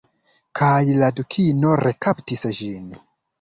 Kaj la Dukino rekaptis ĝin.